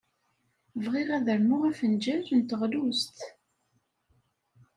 Bɣiɣ ad rnuɣ afenjal n teɣlust.